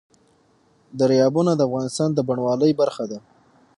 دریابونه د افغانستان د بڼوالۍ برخه ده.